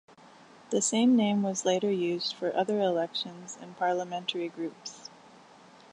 The same name was later used for other elections and parliamentary groups.